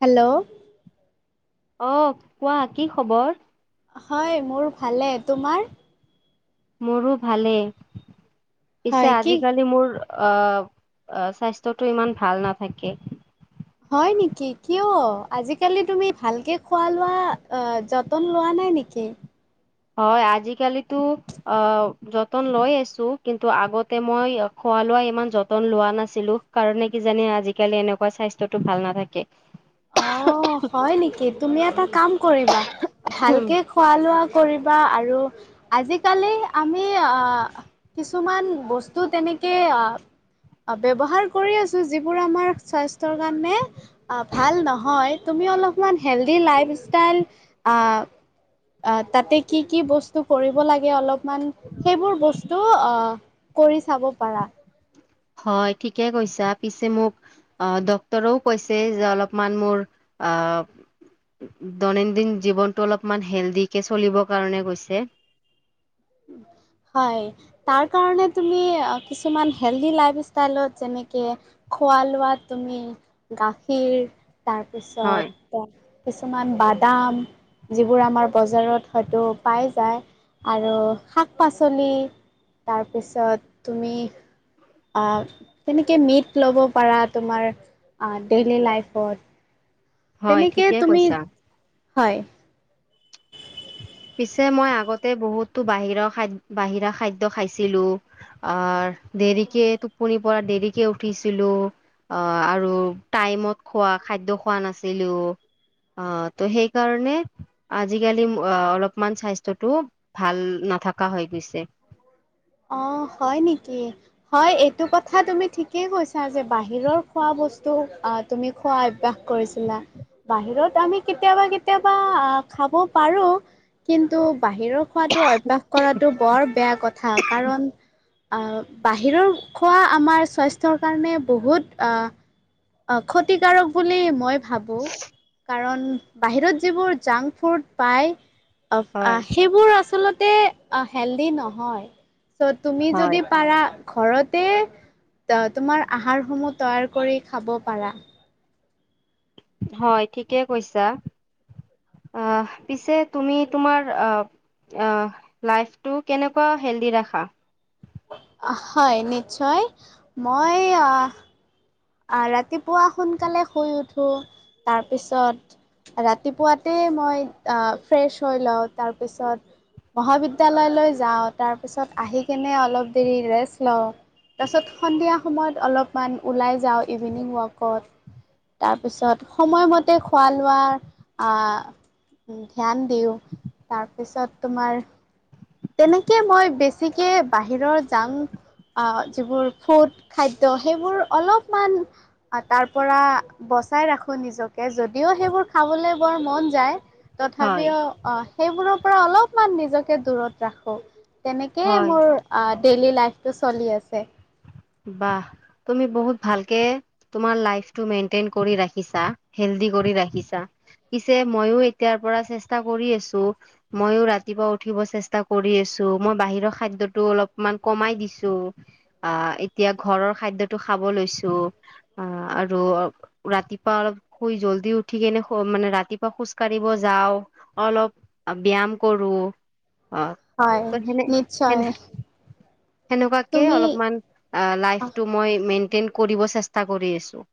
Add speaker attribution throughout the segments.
Speaker 1: Hello.
Speaker 2: অঁ কোৱা কি খবৰ?
Speaker 1: হয়, মোৰ ভালে, তোমাৰ?
Speaker 2: মোৰো ভালেই, পিছে
Speaker 1: হয় কি
Speaker 2: আজিকালি মোৰ অ, অ, স্বাস্থ্যটো ইমান ভাল নাথাকে।
Speaker 1: হয় নেকি কিয়? আজিকালি তুমি ভালকে খোৱা লোৱা অঁ যত তন লোৱা নাই নেকি?
Speaker 2: হয়, আজিকালিতো অ, যতন লৈ আছো, কিন্তু আগতে মই খোৱা লোৱা ইমান যতন লোৱা নাছিলো কাৰণে কিজানি আজিকালি এনেকুৱা স্বাস্থ্যতো ভাল নাথাকে।
Speaker 1: অ হয় নেকি তুমি এটা কাম কৰিবা, ভালকে খোৱা লোৱা কৰিবা আৰু আজিকালি আমি অঁ কিছুমান বস্তু তেনেকে আ অ', ব্যৱহাৰ কৰি আছো যিবোৰ আমাৰ স্বাস্থ্যৰ কাৰণে ভাল নহয় তুমি অলপমান হেলডি লাইফ ইষ্টাইল আ আ, তাতে কি-কি বস্তু কৰিব লাগে অলপমান সেইবোৰ বস্তু আ কৰি চাব পাৰা।
Speaker 2: হয় ঠিকে কৈছা, পিছে মোক অ', ডক্তৰেও কৈছে যে অলপমান মোৰ আ দৈনন্দিন জীৱনটো অলপমান হেল্ডিকে চলিবৰ কাৰণে কৈছে।
Speaker 1: হয়। তাৰ কাৰণে তুমি আ কিছুমান হেলডি লাইফ ষ্টাইলত যেনেকে খোৱা-লোৱাত তুমি গাখীৰ,
Speaker 2: হয়,
Speaker 1: তাৰপিছত কিছুমান বাদাম, যিবোৰ আমাৰ বজাৰত হয়তো পাই যায়। আৰু শাক পাচলি, তাৰপিছত তুমি আ তেনে কে মিট ল'ব পাৰা তোমাৰ আ, ডেইলী লাইফত।
Speaker 2: হয়,
Speaker 1: তেনেকৈ
Speaker 2: ঠিকে
Speaker 1: তুমি
Speaker 2: কৈছা।
Speaker 1: হয়।
Speaker 2: পিছে মই আগতে বহুতো বাহিৰৰ খাদ, বাহিৰা খাদ্য খাইছিলো। আৰ, দেৰিকে টোপনিৰ পৰা দেৰিকে উঠিছিলো। অ', আৰু টাইমত খোৱা খাদ্য খোৱা নাছিলো। অ', ত' সেইকাৰণে আজিকালি মোৰ অ', অলপমান স্বাস্থ্যটো ভাল নাথকা হৈ গৈছে।
Speaker 1: অ', হয় নিকি?। হয়, এইটো কথা তুমি ঠিকেই কৈছা যে বাহিৰৰ খোৱা বস্তু আ তুমি খোৱা অভ্যাস কৰিছিলা। বাহিৰত আমি কেতিয়াবা-কেতিয়াবা আ, খাব পাৰো। কিন্তু বাহিৰৰ খোৱাটো অভ্যাস কৰাটো বৰ বেয়া কথা। কাৰণ আ, বাহিৰৰ খোৱা আমাৰ স্বাস্থ্যৰ কাৰণে বহুত আ আ, ক্ষতিকাৰক বুলি মই ভাবোঁ, কাৰণ বাহিৰত যিবোৰ জাংকফুড পায়
Speaker 2: হয়
Speaker 1: [unintelligible] সেইবোৰ আচলতে আ হেল্ডি নহয়, চ' তুমি
Speaker 2: হয়
Speaker 1: যদি পাৰা ঘৰতে ত তোমাৰ আহাৰসমূহ তৈয়াৰ কৰি খাব পাৰা।
Speaker 2: হয় ঠিকেই কৈছা। আহ পিছে তুমি তোমাৰ আ আহ লাইফটো কেনেকুৱা হেল্ডি ৰাখা?।
Speaker 1: আহ হয় নিশ্চয় মই আহ আ ৰাতিপুৱা সোনকালে শুই উঠোঁ তাৰপিছত ৰাতিপুৱাতে মই আ ফ্ৰেছ হৈ লওঁ তাৰপিছত মহাবিদ্যালয়লৈ যাওঁ তাৰপিছত আহি কেনে অলপ দেৰি ৰেষ্ট লওঁ তাৰছত সন্ধিয়া সময়ত অলপমান ওলাই যাওঁ ইভিনিং ৱাকত তাৰপিছত সময়মতে খোৱা লোৱাৰ আ উ ধ্যান দিওঁ তাৰপিছত তোমাৰ তেনেকে মই বেছিকে বাহিৰৰ জাংক আহ যিবোৰ ফুড খাদ্য সেইবোৰ অলপমান আ তাৰ পৰা বচাই ৰাখোঁ নিজকে যদিও সেইবোৰ খাবলৈ বৰ মন যায়
Speaker 2: হয়
Speaker 1: তথাপিও অ সেইবোৰৰ পৰা অলপমান নিজকে দূৰত ৰাখোঁ। তেনেকেই
Speaker 2: হয়
Speaker 1: মোৰ অ ডেইলি লাইফটো চলি আছে।
Speaker 2: বাহ, তুমি বহুত ভালকে তুমাৰ লাইফতো মেইনটেইন কৰি ৰাখিছা, হেল্ডি কৰি ৰাখিছা। পিছে মইও এতিয়াৰ পৰা চেষ্টা কৰি আছো ময়ো ৰাতিপুৱা উঠিব চেষ্টা কৰি আছো মই বাহিৰৰ খাদ্যটো অলপমান কমাই দিছোঁ। আহ এতিয়া ঘৰৰ খাদ্যটো খাব লৈছো আ আৰু ৰাতিপুৱা অলপ শুই জলদি উঠি কেনে মানে ৰাতিপুৱা খোজ কাঢ়িব যাওঁ। অলপ ব্যায়াম কৰো অ
Speaker 1: হয়
Speaker 2: ত হেনে হেনে
Speaker 1: নিশ্চয়
Speaker 2: সেনেকুৱাকে
Speaker 1: তুমি
Speaker 2: অলপমান লাইফটো মই মেইনটেইন কৰিব চেষ্টা কৰি আছোঁ।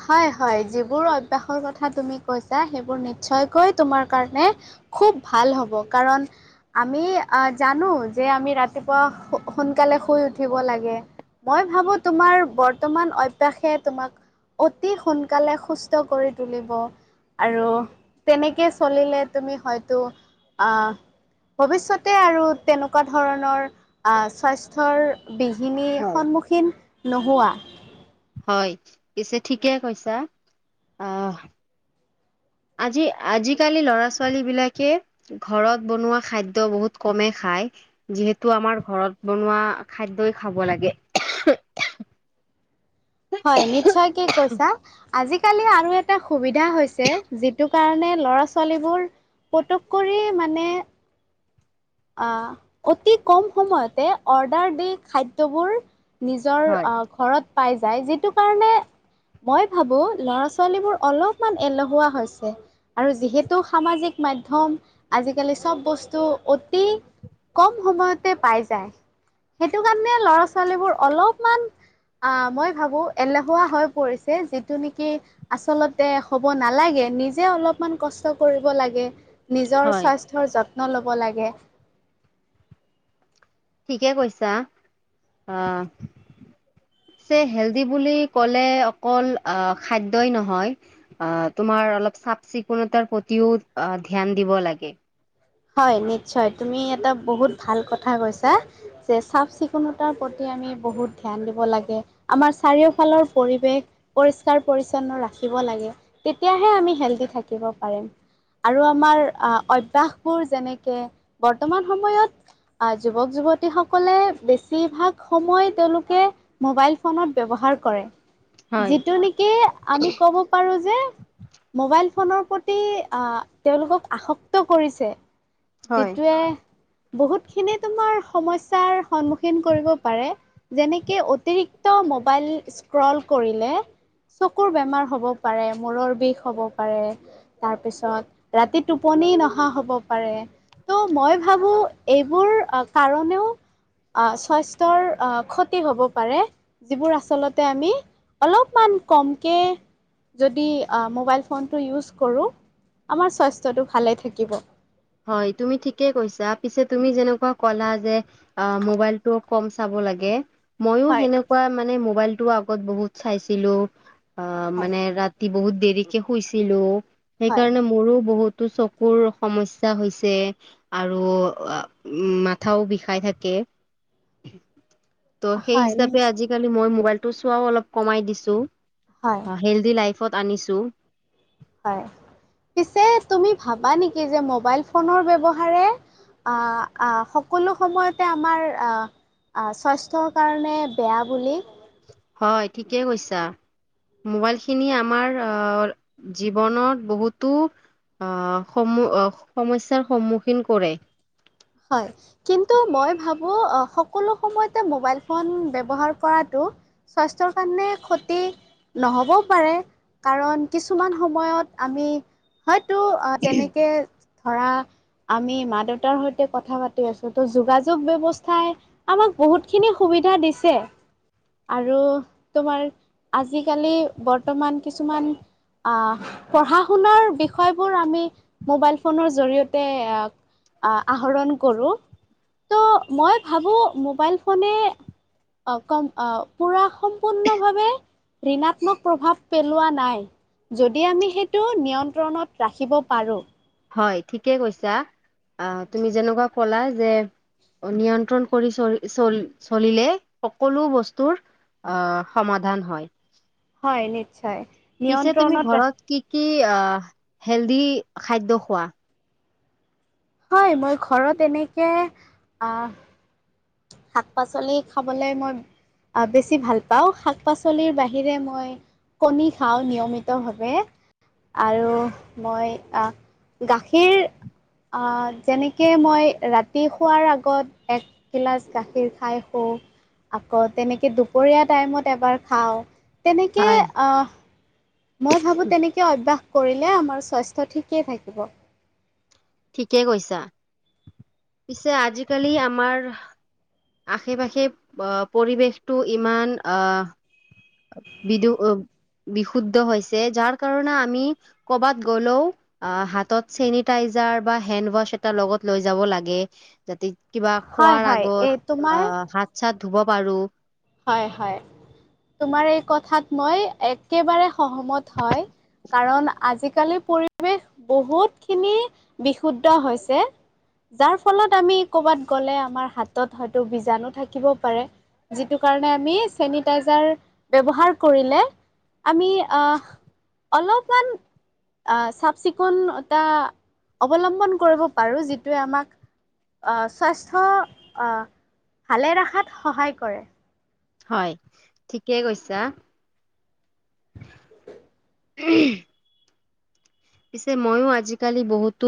Speaker 1: হয় হয় যিবোৰ অভ্যাসৰ কথা তুমি কৈছা সেইবোৰ নিশ্চয়কৈ তোমাৰ কাৰণে খুব ভাল হ'ব কাৰণ আমি আহ জানো যে আমি ৰাতিপুৱা সো সোনকালে শুই উঠিব লাগে। মই ভাবোঁ তোমাৰ বৰ্তমান অভ্যাসে তোমাক অতি সোনকালে সুস্থ কৰি তুলিব। আৰু তেনেকৈ চলিলে তুমি হয়তো আ ভৱিষ্যতে আৰু তেনেকুৱা ধৰণৰ স্বাস্থ্যৰ বিঘিনীৰ
Speaker 2: হয়।
Speaker 1: সন্মুখীন নোহোৱা
Speaker 2: হয় পিছে ঠিকে কৈছা আহ আজি আজিকালি ল'ৰা ছোৱালী বিলাকে ঘৰত বনোৱা খাদ্য বহুত কমে খায়। যিহেতু আমাৰ ঘৰত বনোৱা খাদ্যই খাব লাগে।
Speaker 1: হয় নিশ্চয়কে কৈছা আজি আজিকালি আৰু এটা সুবিধা হৈছে যিটো কাৰণে ল'ৰা ছোৱালীবোৰ পুটুক কৰি মানে আ অতি কম সময়তে অৰ্ডাৰ দি খাদ্যবোৰ নিজৰ
Speaker 2: হয়।
Speaker 1: ঘৰত পাই যায় যিটো কাৰণে মই ভাবো ল'ৰা ছোৱালীবোৰ অলপমান এলহুৱা হৈছে আৰু যিহেতু সামাজিক মাধ্যম আজিকালি চব বস্তু উট অতি কম সময়তে পাই যায়। সেইটো কাৰণে ল'ৰা ছোৱালীবোৰ অলপমান মই ভাবোঁ এলেহুৱা হৈ পৰিছে যিটো নিকি আচলতে হব নালাগে নিজে অলপমান কষ্ট কৰিব লাগে। নিজৰ
Speaker 2: হয়,
Speaker 1: স্বাস্থ্যৰ যত্ন ল'ব লাগে।
Speaker 2: ঠিকে কৈছা অ যে হেল্ডি বুলি ক'লে অকল খাদ্যই নহয় অ তোমাৰ অলপ চাফ চিকুণতাৰ প্ৰতিও অ ধ্যান দিব লাগে।
Speaker 1: হয় নিশ্চয় তুমি এটা বহুত ভাল কথা কৈছা যে চাফ চিকুণতাৰ প্ৰতি আমি বহুত ধ্যান দিব লাগে। আমাৰ চাৰিওফালৰ পৰিৱেশ পৰিষ্কাৰ পৰিচ্ছন্ন ৰাখিব লাগে। তেতিয়াহে আমি হেলডি থাকিব পাৰিম আৰু আমাৰ অভ্যাস বোৰ যেনেকে বৰ্তমান সময়ত যুৱক যুৱতীসকলে বেছিভাগ সময় তেওঁলোকে মোবাইল ফোনত ব্যৱহাৰ কৰে।
Speaker 2: হয়।
Speaker 1: যিটো নেকি আমি ক'ব পাৰো যে মোবাইল ফোনৰ প্ৰতি আহ তেওঁলোকক আসক্ত কৰিছে।
Speaker 2: হয়।
Speaker 1: যিটোৱে বহুত খিনি তোমাৰ সমস্যাৰ সন্মুখীন কৰিব পাৰে। যেনেকে অতিৰিক্ত মোবাইল স্ক্ৰল কৰিলে চকুৰ বেমাৰ হ'ব পাৰে মূৰৰ বিষ হ'ব পাৰে। তাৰপিছত ৰাতি টোপনি নহা হ'ব। পাৰে ত' মই ভাবো এইবোৰ কাৰণেও স্বাস্থ্যৰ ক্ষতি হ'ব পাৰে। যিবোৰ আচলতে আমি অলপমান কমকে যদি মোবাইল ফোনটো ইউজ কৰোঁ আমাৰ স্বাস্থ্যটো ভালে থাকিব।
Speaker 2: হয় তুমি ঠিকে কৈছা পিছে তুমি যেনেকুৱা ক'লা যে অ', মোবাইলটো কম চাব লাগে ময়ো
Speaker 1: হয়।
Speaker 2: সেনেকুৱা মানে মোবাইলটো আগত বহুত চাইছিলোঁ অ',
Speaker 1: হয়।
Speaker 2: মানে ৰাতি বহুত দেৰিকে শুইছিলোঁ
Speaker 1: হয়
Speaker 2: সেইকাৰণে মোৰো বহুতো চকু কোৰ সমস্যা হৈছে আৰু মাথাও বিষাই থাকে।
Speaker 1: [inaudible]
Speaker 2: ত সেই
Speaker 1: হয়
Speaker 2: হিচাপে
Speaker 1: নিচ
Speaker 2: আজিকালি মই মবাইলতো চোৱাও অলপ কমাই দিছো
Speaker 1: হয়
Speaker 2: অ', হেল্ডি লাইফ ফত আনিছোঁ।
Speaker 1: হয়, পিছে তুমি ভাবা নেকি যে মোবাইল ফোনৰ ব্যৱহাৰে আ, আ সকলো সময়তে আমাৰ আ স্বাস্থ্যৰ কাৰণে বেয়া বুলি
Speaker 2: হয় ঠিকেই কৈছা। মোবাইল খিনি আমাৰ আ জীৱনত বহুতো আ সম সমস্যাৰ সন্মুখীন কৰে।
Speaker 1: হয়। কিন্তু মই ভাবোঁ সকলো সময়তে মোবাইল ফোন ব্যৱহাৰ কৰাটো স্বাস্থ্যৰ কাৰণে ক্ষতি নহ'বও পাৰে কাৰণ কিছুমান সময়ত আমি হয়তো অ', তেনেকে ধৰা আমি মা দেউতাৰ সৈত কথা পাতি আছোঁ ত' যোগাযোগ ব্যৱস্থাই আমাক বহুত খিনি সুবিধা দিছে। আৰু তোমাৰ আজিকালি বৰ্তমান কিছুমান আহ পঢ়া শুনাৰ বিষয়বোৰ আমি মোবাইল ফোনৰ জৰিয়তে আহ, আহৰণ কৰোঁ তো মই ভাবোঁ মোবাইল ফোনে অ', কম আহ পুৰা সম্পূৰ্ণভাৱে ঋণাত্মক প্ৰভাৱ পেলোৱা নাই। যদি আমি সেইটো নিয়ন্ত্ৰণত ৰাখিব পাৰোঁ
Speaker 2: হয় ঠিকে কৈছা, আহ তুমি যেনেকুৱা ক'লা যে নিয়ন্ত্ৰণ কৰি চল চল চলিলে সকলো বস্তুৰ অ', সমাধান হয়
Speaker 1: হয় নিশ্চয়।
Speaker 2: পিছে তুমি
Speaker 1: নিয়ন্ত্ৰণত ৰাখি
Speaker 2: ঘৰত কি, কি হেল্ডি খাদ্য খোৱা?
Speaker 1: হয় মই ঘৰত এনেকে আ শাক- পাচলি খাবলৈ মই বেছি ভাল পাওঁ শাক-পাচলি পাচলিৰ বাহিৰে মই কণী খাওঁ নিয়মিতভাৱে আৰু মই আ গাখীৰ আ যেনেকে মই ৰাতি শোৱাৰ আগত এক এগিলাচ গাখীৰ খাই শুৱ আকৌ তেনেকে দুপৰীয়া টাইমত এবাৰ খাওঁ। তেনেকে
Speaker 2: হয়
Speaker 1: আ মই ভাবো তেনেকে অভ্যাস কৰিলে আমাৰ স্বাস্থ্য ঠিকেই থাকিব।
Speaker 2: ঠিকে কৈছা পিছে আজিকালি আমাৰ আশে-পাশে আ পৰিৱেশটো ইমান আহ বিদু বিশুদ্ধ হৈছে যাৰ কাৰণে আমি ক'বাত গ'লেও হাতত চেনিটাইজ যাৰ বা হেনৱাচ এটা লগত লৈ যাব লাগে যাতে কিবা
Speaker 1: হয়
Speaker 2: খোৱাৰ
Speaker 1: হয় এই
Speaker 2: আগত
Speaker 1: তোমাৰ
Speaker 2: আ হাত-চাত ধুব পাৰো।
Speaker 1: হয় হয় তোমাৰ এই কথাত মই একেবাৰে সহমত হয়। কাৰণ আজিকালি পৰিৱেশ বহুত খিনি বিশুদ্ধ হৈছে যাৰ ফলত আমি কৰবাত গলে আমাৰ হাতত হয়তো বীজাণু থাকিব পাৰে যিটো কাৰণে আমি চেনিটাইজাৰ ব্যৱহাৰ কৰিলে আমি আ অলপমান আ চাফ-চিকুণতা অৱলম্বন কৰিব পাৰোঁ যিটোৱে আমাক আ স্বাস্থ্য আ ভালে ৰখাত সহায় কৰে।
Speaker 2: হয় ঠিকে কৈছা ঊম পিছে মইয়ো আজিকালি বহুতো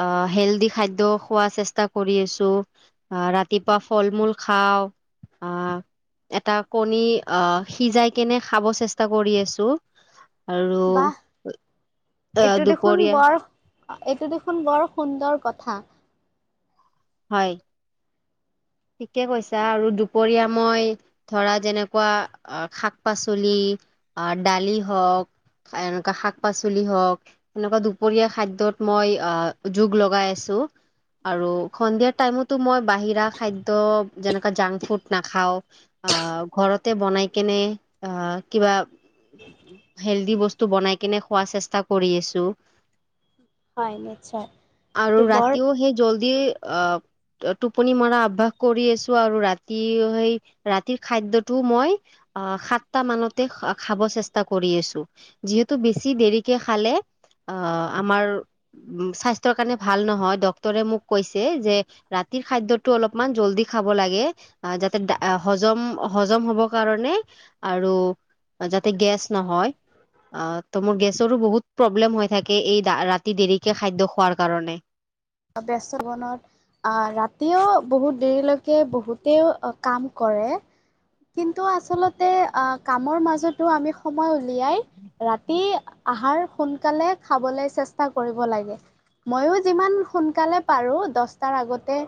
Speaker 2: আহ হেল্ডি খাদ্য খোৱা চেষ্টা কৰি আছো। আ ৰাতিপুৱা ফল-মূল খাওঁ আহ এটা কণী আহ সিজাই কেনে খাব চেষ্টা কৰি আছো আৰু
Speaker 1: বাহ
Speaker 2: আহ
Speaker 1: এইটো দেখোন
Speaker 2: দুপৰীয়া
Speaker 1: বৰ এইটো দেখোন বৰ সুন্দৰ কথা।
Speaker 2: হয়, ঠিকে কৈছা আৰু দুপৰীয়া মই ধৰা যেনেকুৱা আ শাক-পাচলি আহ দালি হওক এনেকুৱা শাক-পাচলি হওক এনেকুৱা দুপৰীয়া খাদ্যত মই আহ যোগ লগাই আছো আৰু সন্ধিয়া টাইমতো মই বাহিৰা খাদ্য যেনেকা জাংক ফুড নাখাওঁ আহ ঘৰতে বনাই কেনে আহ কিবা হেল্ডি বস্তু বনাই কিনে খোৱা চেষ্টা কৰি আছো।
Speaker 1: হয় নিশ্চয়
Speaker 2: আৰু
Speaker 1: এইটো বৰ
Speaker 2: ৰাতিও সেই জল্দি আ টোপনি মৰা অভ্যাস কৰি আছো আৰু ৰাতি সেই ৰাতিৰ খাদ্যটো মই আ সাতটা মানতে খা খাব চেষ্টা কৰি আছো। যিহেতু বেছি দেৰিকে খালে আ আমাৰ স্বাস্থ্যৰ কাৰণে ভাল নহয় ডক্তৰে মোক কৈছে কৈছে যে ৰাতিৰ খাদ্যটো অলপমান জল্দি খাব লাগে। আ যাতে হজম হজম হব কাৰণে আৰু আ যাতে গেছ নহয়। আ ত' মোৰ গেছৰো বহুত প্ৰব্লেম হৈ থাকে এই ৰাতি দেৰিকে খাদ্য খোৱাৰ কাৰণে।
Speaker 1: ব্যস্ত বনত আ ৰাতিও বহুত দেৰিলৈকে বহুতেও কাম কৰে। কিন্তু আচলতে আ কামৰ মাজতো আমি সময় উলিয়াই ৰাতি আহাৰ সোনকালে খাবলৈ চেষ্টা কৰিব লাগে। ময়ো যিমান সোনকালে পাৰোঁ, দচটাৰ আগতে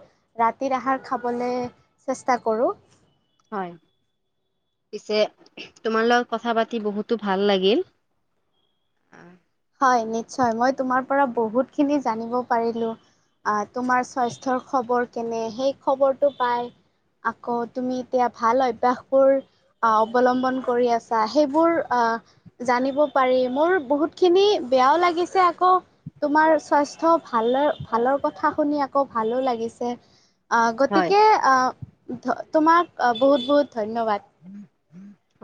Speaker 1: ৰাতিৰ আহাৰ খাবলৈ চেষ্টা কৰোঁ।
Speaker 2: হয়, পিছে তোমাৰ লগত কথা পাতি বহুতো ভাল লাগিল।
Speaker 1: হয় নিশ্চয়, মই তোমাৰ পৰা বহুতখিনি জানিব পাৰিলো। আ, তোমাৰ স্বাস্থ্যৰ খবৰ কেনে সেই খবৰটো পাই আকৌ তুমি এতিয়া ভাল অভ্যাসবোৰ আ, অৱলম্বন কৰি আছা সেইবোৰ আ, জানিব পাৰি মোৰ বহুত খিনি বেয়াও লাগিছে আকৌ তোমাৰ স্বাস্থ্য ভাল ভালৰ কথা শুনি আকৌ ভালো লাগিছে। আ, গতিকে আ, তোমাক বহুত বহুত ধন্যবাদ।
Speaker 2: [inaudible] হয়।